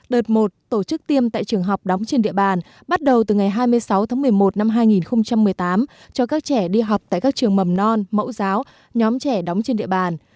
đợt một tổ chức tiêm tại trường học đóng trên địa bàn bắt đầu từ ngày hai mươi sáu tháng một mươi một năm hai nghìn một mươi tám cho các trẻ đi học tại các trường mầm non mẫu giáo nhóm trẻ đóng trên địa bàn